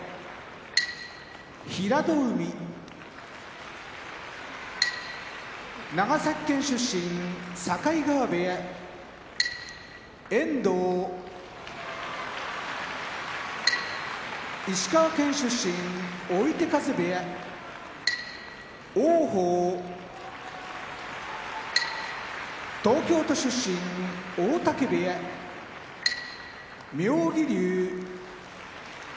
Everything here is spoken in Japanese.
平戸海長崎県出身境川部屋遠藤石川県出身追手風部屋王鵬東京都出身大嶽部屋妙義龍